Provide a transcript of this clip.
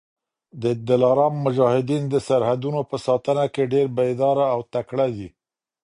د دلارام مجاهدین د سرحدونو په ساتنه کي ډېر بېداره او تکړه دي.